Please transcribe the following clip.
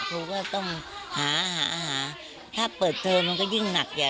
เพราะว่าต้องหาถ้าเปิดเทอมมันก็ยิ่งหนักใหญ่